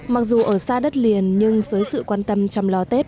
mặc dù ở xa đất liền nhưng với sự quan tâm chăm lo tết